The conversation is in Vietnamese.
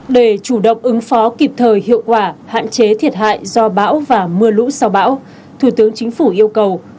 để chủ động ứng phó kịp thời hiệu quả hạn chế thiệt hại do bão và mưa lũ sau bão thủ tướng chính phủ yêu cầu